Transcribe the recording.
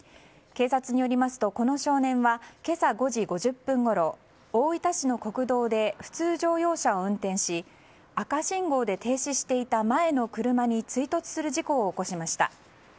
警察によりますとこの少年は今朝５時５０分ごろ大分市の国道で普通乗用車を運転し赤信号で停止していた前の車に追突する事故を起こしました。